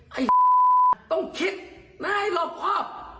ไอ้ต้องคิดนะไอ้โรครอบ